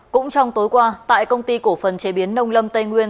cũng trong tối qua tại công ty cổ phần chế biến nông lâm tây nguyên